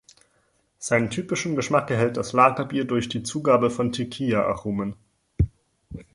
Seinen typischen Geschmack erhält das Lagerbier durch die Zugabe von Tequila-Aromen.